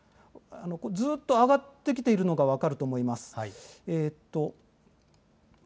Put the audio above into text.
ずっと上がってきているのが分かると思います。